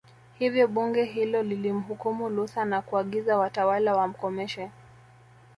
Hivyo Bunge hilo lilimhukumu Luther na kuagiza watawala wamkomeshe